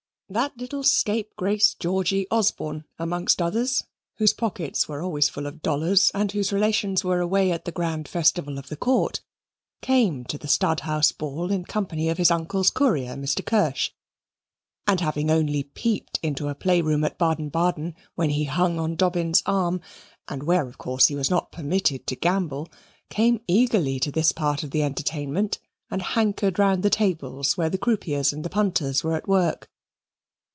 That little scapegrace Georgy Osborne amongst others, whose pockets were always full of dollars and whose relations were away at the grand festival of the Court, came to the Stadthaus Ball in company of his uncle's courier, Mr. Kirsch, and having only peeped into a play room at Baden Baden when he hung on Dobbin's arm, and where, of course, he was not permitted to gamble, came eagerly to this part of the entertainment and hankered round the tables where the croupiers and the punters were at work.